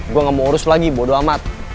gue gak mau urus lagi bodoh amat